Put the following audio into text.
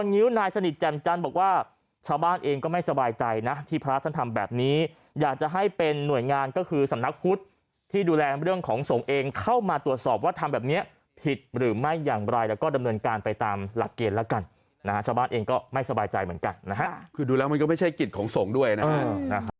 อยากจะให้เป็นหน่วยงานก็คือสำนักพุทธที่ดูแลเรื่องของสงฆ์เองเข้ามาตรวจสอบว่าทำแบบเนี้ยผิดหรือไม่อย่างไรแล้วก็ดำเนินการไปตามหลักเกณฑ์แล้วกันนะฮะชาวบ้านเองก็ไม่สบายใจเหมือนกันนะฮะคือดูแลมันก็ไม่ใช่กฤตของสงฆ์ด้วยนะฮะ